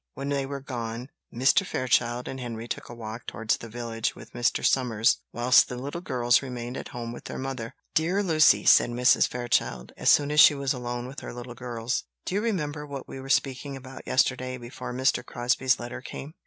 When they were gone, Mr. Fairchild and Henry took a walk towards the village with Mr. Somers, whilst the little girls remained at home with their mother. "Dear Lucy," said Mrs. Fairchild, as soon as she was alone with her little girls, "do you remember what we were speaking about yesterday, before Mr. Crosbie's letter came?"